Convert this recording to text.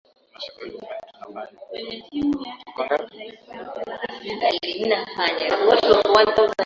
shukrani sana liz masinga wasaa mzuri wa kusikiliza